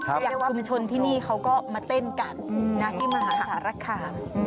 อย่างชุมชนที่นี่เขาก็มาเต้นกันที่มหาสารคาม